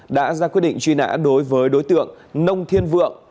đã ra quyết định truy nã đối với đối tượng nông thiên vượng